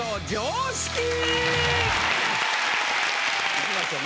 いきましょう。